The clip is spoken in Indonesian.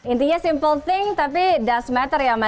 intinya simple thing tapi does matter ya mas